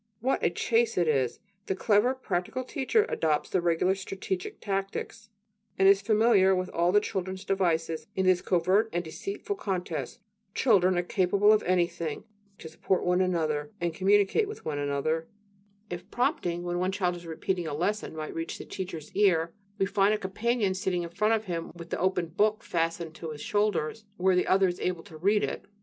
What a chase it is! The clever, practical teacher adopts regular strategic tactics, and is familiar with all the child's devices in this covert and deceitful contest. Children are "capable of anything" to support one another and communicate one with another. If "prompting" when one child is repeating a lesson might reach the teacher's ear, we find a companion sitting in front of him with the open book fastened to his shoulders, where the other is able to read it.